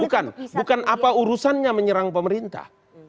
bukan bukan apa urusannya menyerang pemerintah